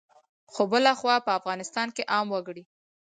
خو بلخوا په افغانستان کې عام وګړي